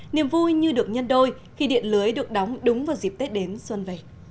niềm vui như được nhân đôi khi điện lưới được đóng đúng vào dịp tết đến xuân về